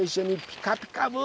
「ピカピカブ！